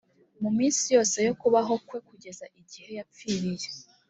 mu minsi yose yo kubaho kwe kugeza igihe yapfiriye